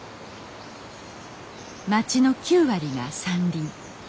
町の９割が山林。